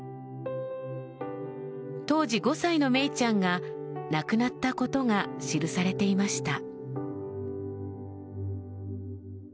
当時５歳のめいちゃんが亡くなったことが記されていました。